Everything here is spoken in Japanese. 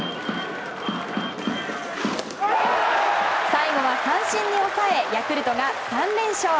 最後は三振に抑えヤクルトが３連勝。